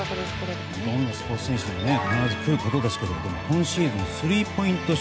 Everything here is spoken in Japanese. どんなスポーツ選手でも必ず来ることですけども今シーズンスリーポイント